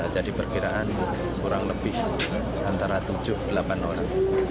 jadi perkiraan kurang lebih antara tujuh dan delapan orang